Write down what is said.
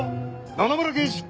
野々村刑事！